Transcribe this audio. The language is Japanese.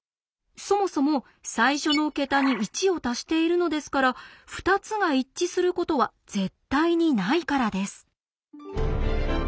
そもそも最初の桁に１を足しているのですから２つが一致することは絶対にないからです。